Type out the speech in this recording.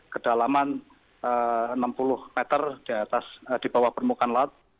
kedalaman enam puluh meter di bawah permukaan laut